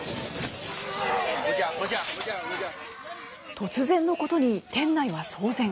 突然のことに店内は騒然。